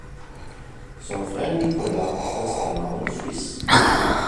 Son frère Nicolas s’installera en Suisse.